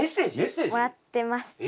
もらってます。